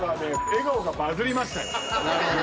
笑顔がバズりましたよ。